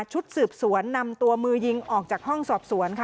ชุดสืบสวนนำตัวมือยิงออกจากห้องสอบสวนค่ะ